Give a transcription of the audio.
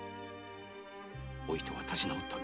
おいとは立ち直ったんです。